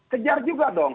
kejar juga dong